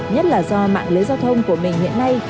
nhất là do mạng lưới giao thông của mình hiện nay